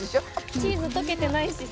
チーズ溶けてないしさ。